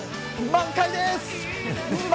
満開です！